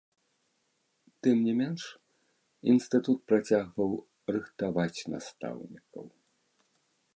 Тым не менш, інстытут працягваў рыхтаваць настаўнікаў.